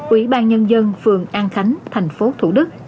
ủy ban nhân dân phường an khánh thành phố thủ đức